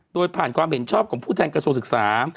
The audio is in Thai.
โดยผ่านความเห็นชอบของผู้แทนกระทรวงศึกษา